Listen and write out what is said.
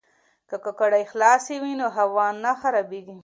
که کړکۍ خلاصې وي نو هوا نه خرابېږي.